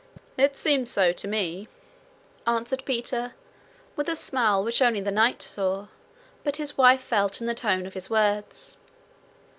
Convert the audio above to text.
'It seems so to me,' answered Peter, with a smile which only the night saw, but his wife felt in the tone of his words.